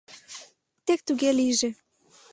— Тек туге лийже.